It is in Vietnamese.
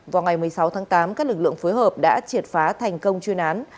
vào ngày một mươi sáu tháng tám các lực lượng phối hợp đã triệt phá thành công chuyên án